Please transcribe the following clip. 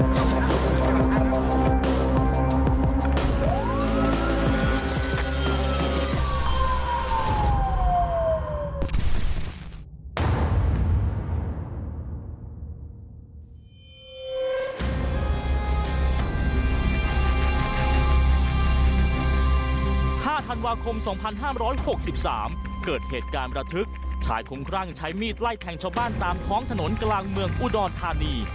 ห้าธันวาคม๒๕๖๓เกิดเหตุการณ์ประทึกชายคุ้มครั่งใช้มีดไล่แทงชาวบ้านตามท้องถนนกลางเมืองอุดรธานี